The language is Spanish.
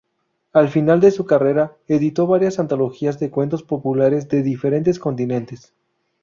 Al final de su carrera editó varias antologías de cuentos populares de diferentes continentes.